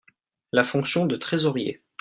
La fonction de trésorier.